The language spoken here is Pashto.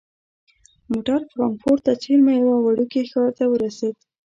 موټر فرانکفورت ته څیرمه یوه وړوکي ښار ته ورسید.